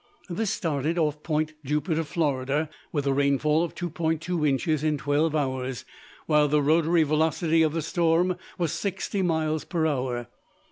This started off Point Jupiter, Florida, with a rainfall of 2.2 inches in twelve hours, while the rotary velocity of the wind was sixty miles per hour.